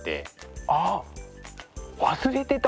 あっ忘れてた！